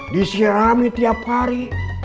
disirami tiap hari